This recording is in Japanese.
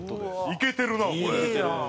イケてるなこれ。